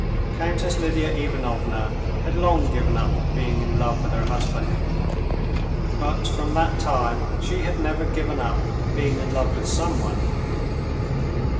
Countess Lidia Ivanovna had long given up being in love with her husband, but from that time she had never given up being in love with someone.